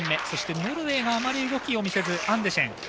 そして、ノルウェーがあまり動きを見せずアンデシェン。